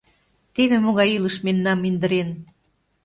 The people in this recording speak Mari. Теве могай илыш мемнам индырен.